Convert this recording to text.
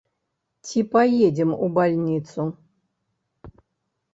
Ці паедзем у бальніцу?